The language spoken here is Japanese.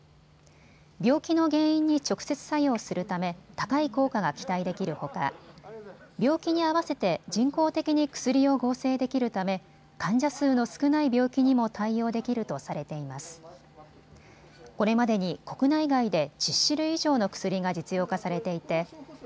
病気の原因に直接作用するため高い効果が期待できるほか病気に合わせて人工的に薬を合成できるため患者数の少ない病気にも対応できるとされています。